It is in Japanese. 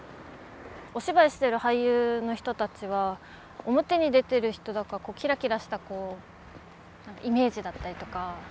お芝居してる俳優の人たちは表に出てる人だからキラキラしたイメージだったりとか。